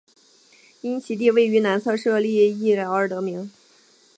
因其地位于南侧设立隘寮而得名。